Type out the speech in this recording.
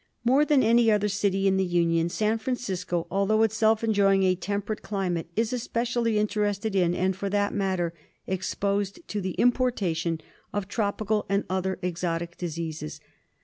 More than any other city in the Union, San Fran cisco, although itself enjoying a temperate climate, is especially interested in, and, for that matter, exposed to the importation of tropical and other exotic diseases.